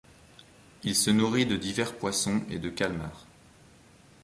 Il se nourrit de divers poissons et de calmars.